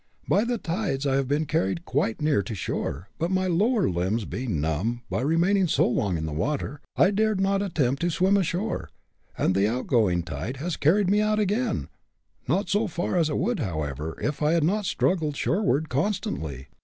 By the tides I have been carried quite near to the shore, but my lower limbs being numb by remaining so long in the water, I dared not attempt to swim ashore, and the outgoing tide has carried me out again not so far as it would, however, if I had not struggled shoreward constantly.